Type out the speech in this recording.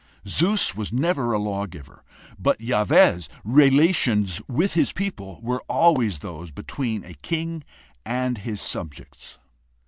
Zeus was never a lawgiver, but Yahweh's relations with his people were always those between a king and his subjects.